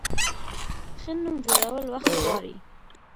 ښه نوم جوړول وخت غواړي.